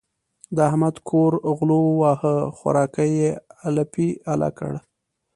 د احمد کور غلو وواهه؛ خوراکی يې الپی الا کړ.